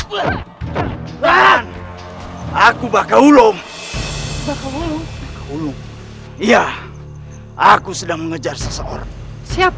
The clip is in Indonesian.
mereka hanya mengapa barusan